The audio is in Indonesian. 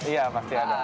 iya pasti ada